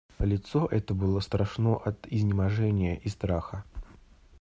Лицо это было страшно от изнеможения и страха.